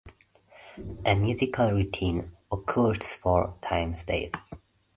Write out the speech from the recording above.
A musical routine occurs four times daily.